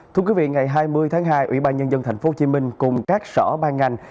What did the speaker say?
thưa quý vị ngày hai mươi tháng hai ủy ban nhân dân tp hcm cùng các sở ban ngành